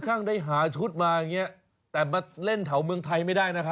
ได้หาชุดมาอย่างนี้แต่มาเล่นแถวเมืองไทยไม่ได้นะคะ